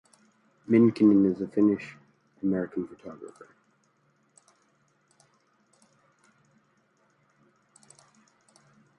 Minkkinen is a Finnish-American photographer.